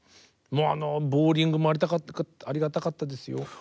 もうあのボウリングもありがたかったですよ。